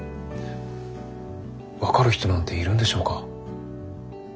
分かる人なんているんでしょうか？